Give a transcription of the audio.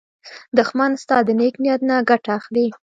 دښمن ستا د نېک نیت نه ګټه اخلي